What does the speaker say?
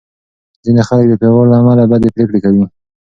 ځینې خلک د پېغور له امله بدې پرېکړې کوي.